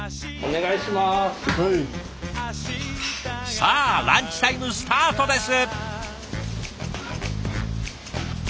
さあランチタイムスタートです。